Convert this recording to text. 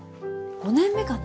５年目かな。